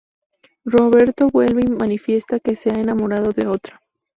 Roberto vuelve, y manifiesta que se ha enamorado de otra.